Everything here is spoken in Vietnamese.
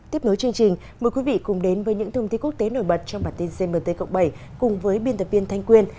tiếp nối chương trình mời quý vị cùng đến với những thông tin quốc tế nổi bật trong bản tin gmt cộng bảy cùng với biên tập viên thanh quyên